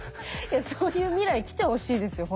いやそういう未来来てほしいですよ